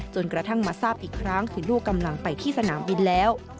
กระทั่งมาทราบอีกครั้งคือลูกกำลังไปที่สนามบินแล้ว